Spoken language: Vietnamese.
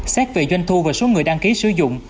xét về doanh thu và số người đăng ký sử dụng